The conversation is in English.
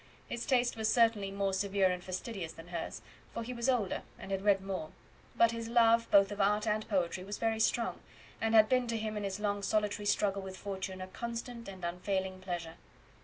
His taste was certainly more severe and fastidious than hers, for he was older, and had read more; but his love, both of art and poetry, was very strong, and had been to him in his long solitary struggle with fortune a constant and unfailing pleasure.